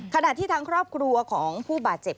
ขณะที่ทางครอบครัวของผู้บาดเจ็บ